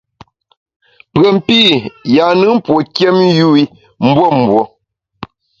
Pùen pî, yâ-nùn pue nkiém yu i mbuembue.